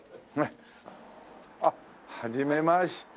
あっはじめまして。